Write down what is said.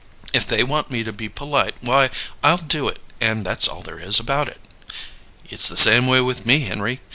If they want me to be polite, why, I'll do it and that's all there is about it." "It's the same way with me, Henry.